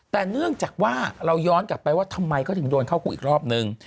แต่เนื่องจากว่าเราย้อนกลับไปว่าทำไมเขาถึงโดนเข้าคุกอีกรอบนึง